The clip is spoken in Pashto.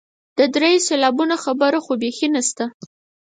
د دریو سېلابونو خبره خو بیخي نشته.